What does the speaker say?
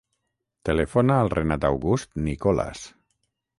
Telefona al Renat August Nicolas.